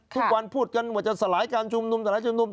ทุกวันพูดกันว่าจะสลายการชุมนุมสลายชุมนุม